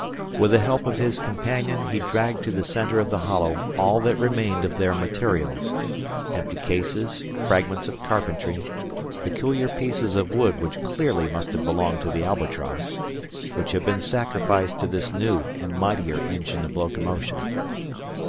With the help of his companion, he dragged to the center of the hollow all that remained of their materials, empty cases, fragments of carpentry, peculiar pieces of wood which clearly must have belonged to the "Albatross," which had been sacrificed to this new and mightier engine of locomotion.